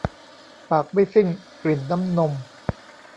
ปากไม่สิ้นกลิ่นน้ำนม